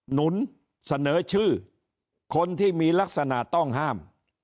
หนุนเสนอชื่อคนที่มีลักษณะต้องห้าม